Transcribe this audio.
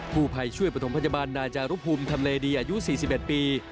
ผู้ไพรช่วยปฐมพันธ์ยาบาลนาจารย์รุภูมิทำเลดีอายุ๔๑ปี